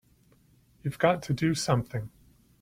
You've got to do something!